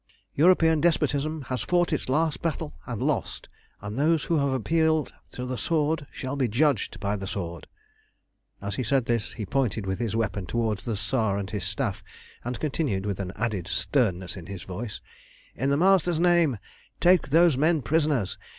European despotism has fought its last battle and lost, and those who have appealed to the sword shall be judged by the sword." As he said this, he pointed with his weapon towards the Tsar and his Staff, and continued, with an added sternness in his voice "In the Master's name, take those men prisoners!